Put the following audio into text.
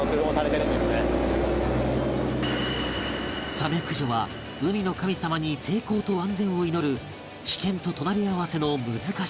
サメ駆除は海の神様に成功と安全を祈る危険と隣り合わせの難しい仕事